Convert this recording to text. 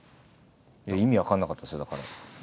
意味分かんなかったですよだから。